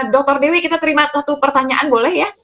dr dewi kita terima satu pertanyaan boleh ya